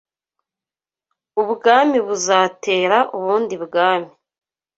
ubwami buzatera ubundi bwami.